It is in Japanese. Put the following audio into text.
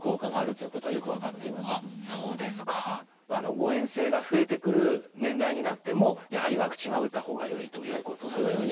誤えん性が増えてくる年代になってもやはりワクチンは打った方がよいということなんですね。